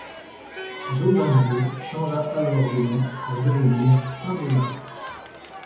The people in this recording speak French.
Jovinzieu changea alors de nom pour devenir Saint-Donat.